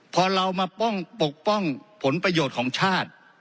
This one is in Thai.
พอเรามาป้องปกป้องผลประโยชน์ของชาติ